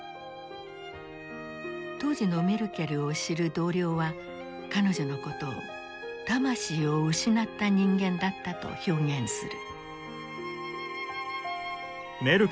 当時のメルケルを知る同僚は彼女のことを「魂を失った人間」だったと表現する。